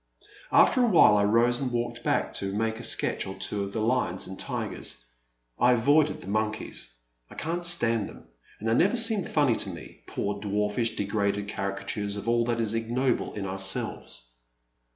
After a while I rose and walked back to make a sketch or two of the lions and tigers. I avoided the monkeys — I can't stand them, and they never seem ftmny to me, poor dwarfish, degraded carica tures of all that is ignoble in ourselves.